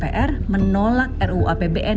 pphn menolak ruu apbn